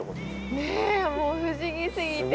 ねえもう不思議すぎて。